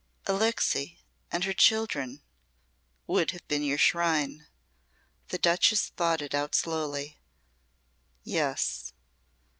"Alixe and her children would have been your shrine." The Duchess thought it out slowly. "Yes."